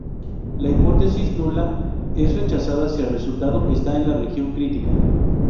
La hipótesis nula es rechazada si el resultado está en la región crítica.